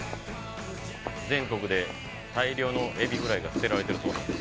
全国で大量のエビフライが捨てられてるそうなんです